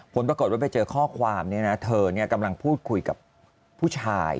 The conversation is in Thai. ผลปรากฏว่าไปเจอข้อความนี้นะเธอกำลังพูดคุยกับผู้ชาย